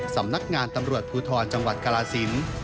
สำนักงานตำรวจภูทรจังหวัดกรสิน